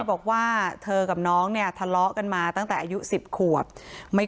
บอกว่าเธอกับน้องเนี่ยทะเลาะกันมาตั้งแต่อายุ๑๐ขวบไม่